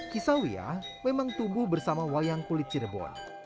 kisawiyah memang tumbuh bersama wayang kulit cerebon